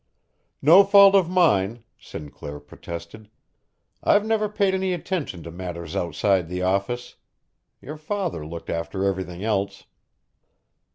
"No fault of mine," Sinclair protested. "I've never paid any attention to matters outside the office. Your father looked after everything else."